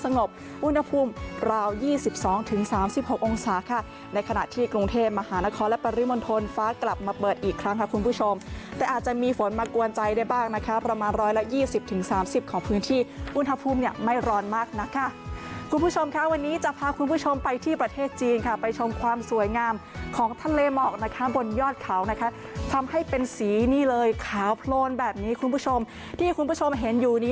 อุณหภูมิราว๒๒๓๖องศาค่ะในขณะที่กรุงเทพมหานครและปริมณฑลฟ้ากลับมาเปิดอีกครั้งค่ะคุณผู้ชมแต่อาจจะมีฝนมากวนใจได้บ้างนะคะประมาณร้อยละยี่สิบถึงสามสิบของพื้นที่อุณหภูมิเนี่ยไม่ร้อนมากนะคะคุณผู้ชมค่ะวันนี้จะพาคุณผู้ชมไปที่ประเทศจีนค่ะไปชมความสวยงามของทะเลหมอกนะคะบนยอดเขานะคะทำให้เป็นสีนี่เลยขาวโพลนแบบนี้คุณผู้ชมที่คุณผู้ชมเห็นอยู่นี้